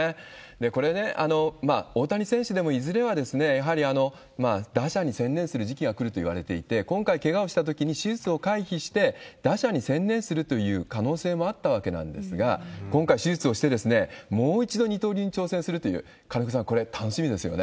これね、大谷選手でも、いずれはやはり打者に専念する時期が来るといわれていて、今回、けがをしたときに手術を回避して、打者に専念するという可能性もあったわけなんですが、今回、手術をして、もう一度二刀流に挑戦するという、金子さん、これ、楽しみですよね。